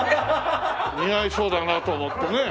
似合いそうだなと思ってねえ？